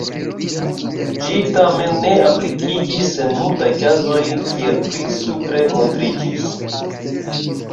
Ĝi tamen ne aplikiĝis en multaj kazoj, kiel pli supre montriĝis.